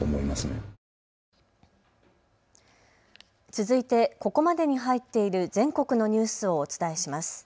続いてここまでに入っている全国のニュースをお伝えします。